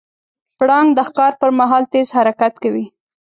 پړانګ د ښکار پر مهال تیز حرکت کوي.